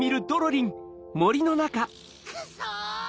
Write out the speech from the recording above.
クソ！